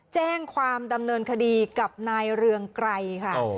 แจ้งความดำเนินคดีกับนายเรืองไกรค่ะ